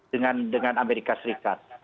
dengan amerika serikat